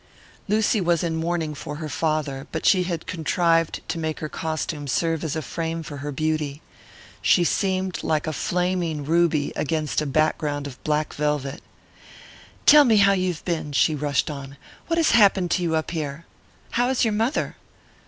Lucy was in mourning for her father, but she had contrived to make her costume serve as a frame for her beauty. She seemed like a flaming ruby against a background of black velvet. "Tell me how you have been," she rushed on. "And what has happened to you up here? How is your mother?"